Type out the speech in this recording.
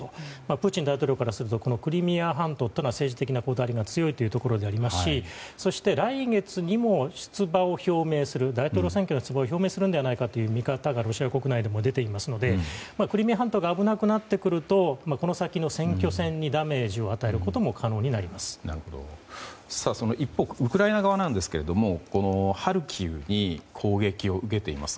プーチン大統領からするとこのクリミア半島というのは政治的なこだわりが強いというところですしそして来月にも大統領選挙への出馬を表明するのではないかという見方がロシア国内でも出ていますのでクリミア半島が危なくなってくるとこの先の選挙戦にダメージを与えることも一方、ウクライナ側ですがハルキウに攻撃を受けています。